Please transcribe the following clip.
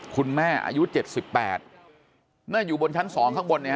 คุณแม่อายุ๗๘อยู่บนชั้น๒ข้างบนนี้